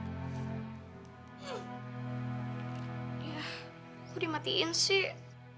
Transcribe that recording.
ya kok dimatiin sih